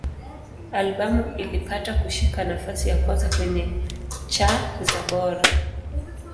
Albamu ilipata kushika nafasi ya kwanza kwenye cha za Bora.